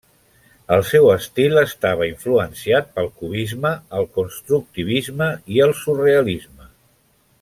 El seu estil estava influenciat pel cubisme, el constructivisme i el surrealisme.